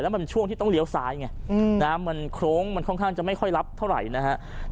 มันช่วงที่ต้องเลี้ยวซ้ายไงน้ำมันโครงมันค่อนข้างจะไม่ค่อยรับเท่าไหร่นะครับ